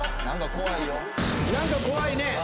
何か怖いね